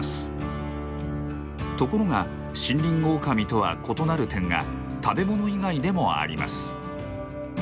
ところがシンリンオオカミとは異なる点が食べ物以外でもあります。